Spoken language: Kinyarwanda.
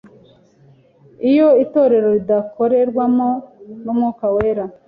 iyo itorero ridakorerwamo n’Umwuka wera.